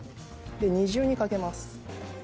で２重にかけます。